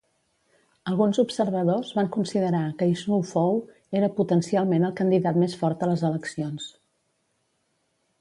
Alguns observadors van considerar que Issoufou era potencialment el candidat més fort a les eleccions.